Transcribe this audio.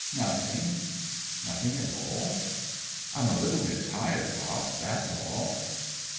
" Nothing." " Nothing at all ?"" I'm a little bit tired, pop ; that's all."